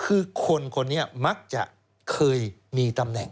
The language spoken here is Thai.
คือคนคนนี้มักจะเคยมีตำแหน่ง